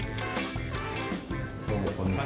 どうもこんにちは。